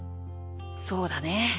そうだね。